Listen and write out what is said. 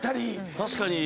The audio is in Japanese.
確かに。